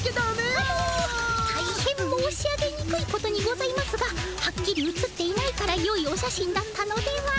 あのたいへん申し上げにくいことにございますがはっきり写っていないからよいお写真だったのでは？